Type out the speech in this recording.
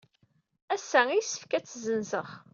Ass-a ay yessefk ad tt-ssenzeɣ.